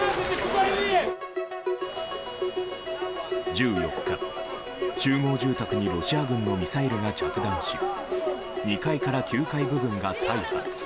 １４日、集合住宅にロシア軍のミサイルが着弾し２階から９階部分が大破。